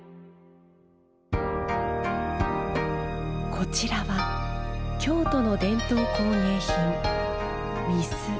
こちらは京都の伝統工芸品御簾。